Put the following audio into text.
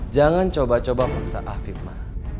jangan coba coba paksa afif ma